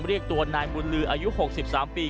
เรียกตัวนายบุญลืออายุ๖๓ปี